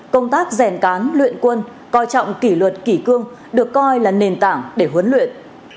công tác rèn cán luyện quân coi trọng kỷ luật kỷ cương được coi là nền tảng để huấn luyện